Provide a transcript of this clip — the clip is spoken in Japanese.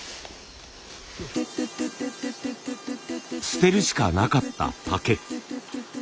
捨てるしかなかった竹。